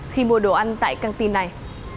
khi mua đồ ăn ở cổng trường